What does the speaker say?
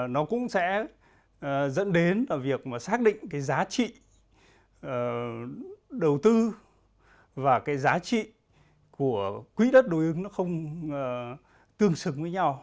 nó cũng sẽ dẫn đến việc xác định giá trị đầu tư và giá trị của quỹ đất đối ứng không tương xứng với nhau